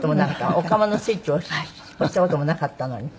お釜のスイッチを押した事もなかったのに。